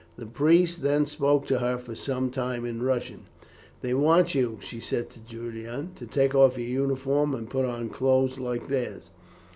The priest then spoke to her for some time in Russian. "They want you," she said to Julian, "to take off your uniform and to put on clothes like theirs.